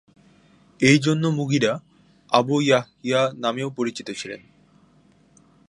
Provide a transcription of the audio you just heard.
এই জন্য মুগীরা, আবু ইয়াহইয়া নামেও পরিচিত ছিলেন।